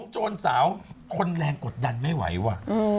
โจรสาวทนแรงกดดันไม่ไหวว่ะ